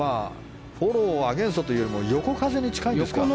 フォロー、アゲンストというよりも横風に近いですか。